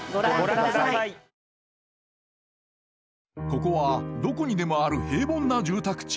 ここはどこにでもある平凡な住宅地。